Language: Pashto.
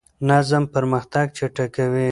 نظم پرمختګ چټکوي.